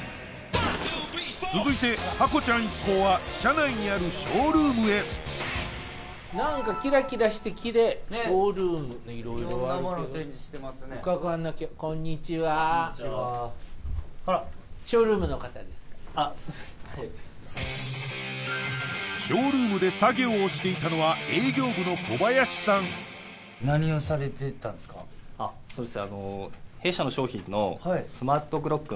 続いてハコちゃん一行は社内にあるショールームへこんにちはショールームで作業をしていたのははいそうです